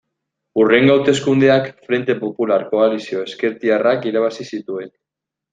Hurrengo hauteskundeak Frente Popular koalizio ezkertiarrak irabazi zituen.